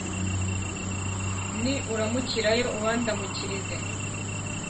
Ni uramukirayo ubandamukirize